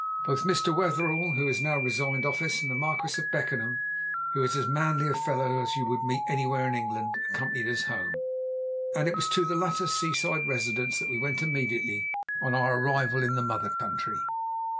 Both Mr. Wetherell who has now resigned office and the Marquis of Beckenham, who is as manly a fellow as you would meet anywhere in England, accompanied us home, and it was to the latter's seaside residence that we went immediately on our arrival in the mother country.